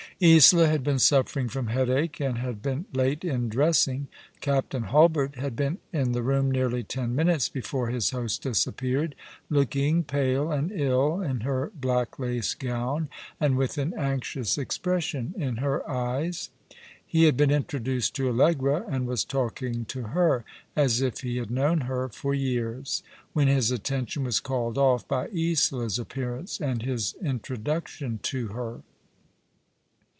Isola had been suffering from headache, and had been late in dressing. Captain Hulbert had been in the room nearly ten minutes before his hostess appeared, looking pale and ill in her black lace gown, and with an anxious 154 ^^^ along the River, expression in her eyes. He had been introduced to Allegrta, and was talking to her as if he had known her for years, when his attention was called off by Isola's appearance, and his introduction to her.